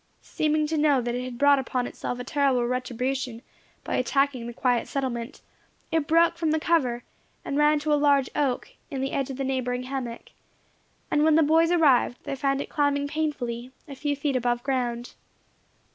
Seeming to know that it had brought upon itself a terrible retribution, by attacking the quiet settlement, it broke from the cover, and ran to a large oak, in the edge of the neighbouring hammock, and when the boys arrived, they found it climbing painfully, a few feet above ground.